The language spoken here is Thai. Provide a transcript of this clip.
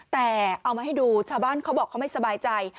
แต่เอามาให้ดูชาวบ้านเขาบอกเขาไม่สบายใจ